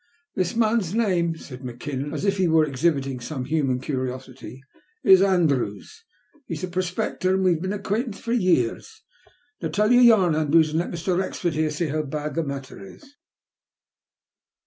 " This man's name," said Mackinnon, as if he were exhibiting some human curiosity, is Andrews. He's a prospector, and we've been acquent for years. Now tell your yarn, Andrews, and let Mr. Wrexford here see how bad the matter is."